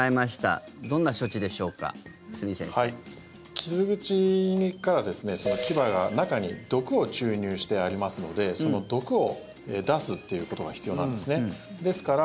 傷口から、牙が中に毒を注入してありますのでその毒を出すということが必要なんですね。